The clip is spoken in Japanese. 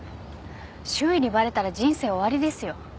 周囲にバレたら人生終わりですよ。